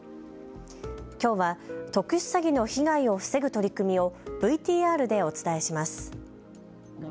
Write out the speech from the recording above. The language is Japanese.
きょうは特殊詐欺の被害を防ぐ取り組みをＶＴＲでお伝えします。